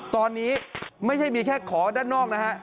ตอนนี้ไม่ใช่มีแค่ขอด้านนอกนะฮะ